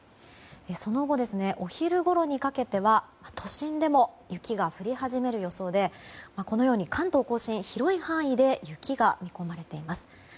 その後、お昼ごろにかけては都心でも雪が降り始める予想でこのように関東・甲信広い範囲で雪が見込まれています。